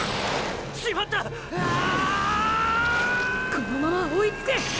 このまま追いつく！